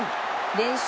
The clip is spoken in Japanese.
連勝